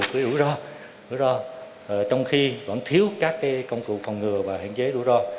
đủ đủ rõ trong khi vẫn thiếu các công cụ phòng ngừa và hạn chế đủ rõ